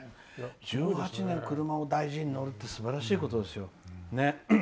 １８年、車を大事に乗るってすばらしいことですよ。